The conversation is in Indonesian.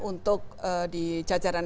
untuk di jajaran